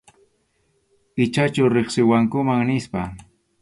Ichachu riqsiwankuman nispa.